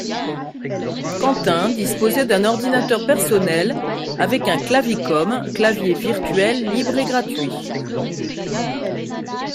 Quentin disposait d'un ordinateur personnel avec un clavicom, clavier virtuel libre et gratuit.